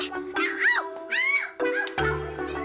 aduh tidak ampun